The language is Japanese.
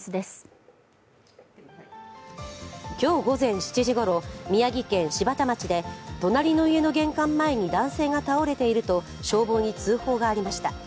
今日午前７時ごろ、宮城県柴田町で隣の家の玄関前に男性が倒れていると消防に通報がありました。